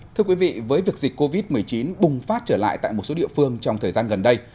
thưa quý vị với việc dịch covid một mươi chín bùng phát trở lại tại một số địa phương trong thời gian gần đây